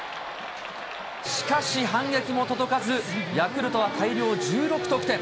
しかし、反撃も届かず、ヤクルトは大量１６得点。